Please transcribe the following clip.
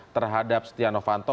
terhadap setia novanto